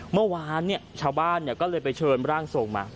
เมื่อวานชาวบ้านก็เลยไปเชิญร่างทรงมา